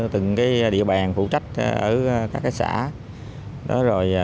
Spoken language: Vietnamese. từng địa bàn phụ trách ở các xã